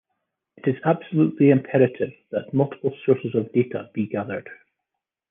It is absolutely imperative that multiple sources of data be gathered.